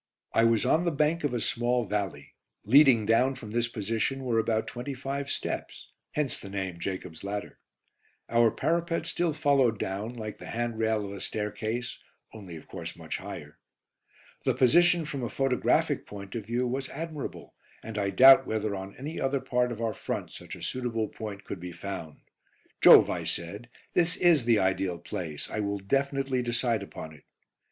I was on the bank of a small valley; leading down from this position were about twenty five steps, hence the name "Jacob's Ladder." Our parapet still followed down, like the handrail of a staircase, only of course much higher. The position from a photographic point of view was admirable, and I doubt whether on any other part of our front such a suitable point could be found. "Jove!" I said, "this is the ideal place. I will definitely decide upon it."